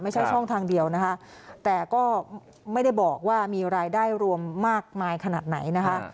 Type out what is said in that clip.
ช่องทางเดียวนะคะแต่ก็ไม่ได้บอกว่ามีรายได้รวมมากมายขนาดไหนนะคะ